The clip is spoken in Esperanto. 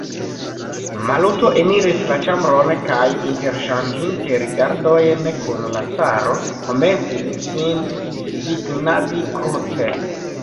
Maluto eniris la ĉambron kaj, interŝanĝinte rigardojn kun la caro, komencis sin signadi kruce.